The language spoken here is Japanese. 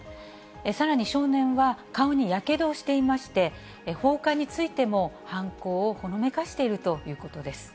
さらに少年は、顔にやけどをしていまして、放火についても犯行をほのめかしているということです。